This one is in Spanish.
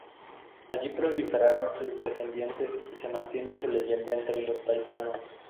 Allí proliferaron sus descendientes y se mantiene su leyenda entre los paisanos.